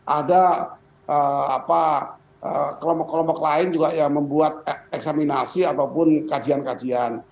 ada kelompok kelompok lain juga yang membuat eksaminasi ataupun kajian kajian